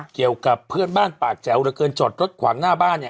เกี่ยวกับเพื่อนบ้านปากแจ๋วเหลือเกินจอดรถขวางหน้าบ้านเนี่ย